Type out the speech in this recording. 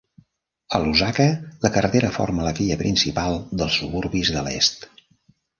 A Lusaka, la carretera forma la via principal dels suburbis de l'est.